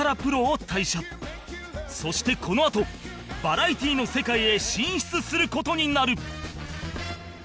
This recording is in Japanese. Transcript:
そしてこのあとバラエティの世界へ進出する事になる